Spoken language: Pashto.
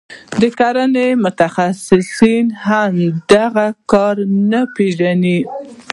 د کرنې متخصصان هم په دې کار نه پوهیږي.